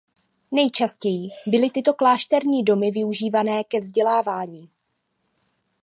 Nejčastěji byly tyto klášterní domy využívané ke vzdělávání.